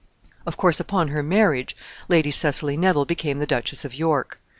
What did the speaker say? Of course, upon her marriage, Lady Cecily Neville became the Duchess of York.